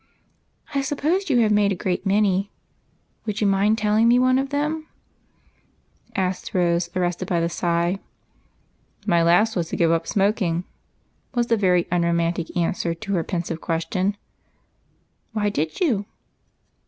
" I suppose you have made a great many ? Would you mind telling me one of them ?" asked Rose, ar rested by the sigh. "My last was to give up smoking," was the very unromantic answer to her pensive question. "Why did you?"